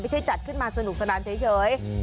จัดขึ้นมาสนุกสนานเฉย